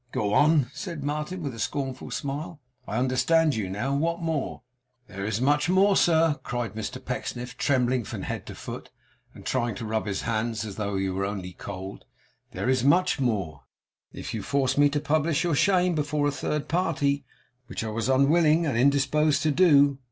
'Go on,' said Martin, with a scornful smile. 'I understand you now. What more?' 'Thus much more, sir,' cried Mr Pecksniff, trembling from head to foot, and trying to rub his hands, as though he were only cold. 'Thus much more, if you force me to publish your shame before a third party, which I was unwilling and indisposed to do.